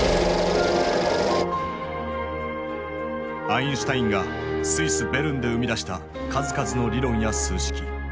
アインシュタインがスイス・ベルンで生み出した数々の理論や数式。